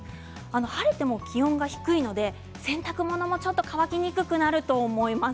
晴れても気温が低いので洗濯物もちょっと乾きにくくなると思います。